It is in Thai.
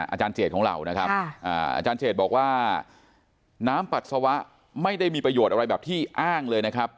อาจารย์เจดของเรานะครับอาจารย์เจดบอกว่าน้ำปัสสาวะไม่ได้มีประโยชน์อะไรแบบที่อ้างเลยนะครับ